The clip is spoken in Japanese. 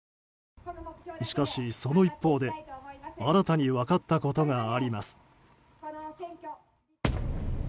しかし、その一方で新たに分かったことがあります。